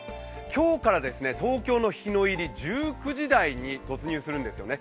今日から東京の日の入り１９時台に突入するんですね。